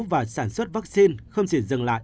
và sản xuất vaccine không chỉ dừng lại